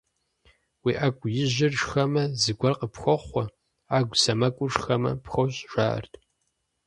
Уи Ӏэгу ижьыр шхэмэ, зыгуэр къыпхохъуэ, ӏэгу сэмэгур шхэмэ - пхощӀ, жаӀэрт.